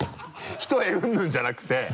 一重うんぬんじゃなくて。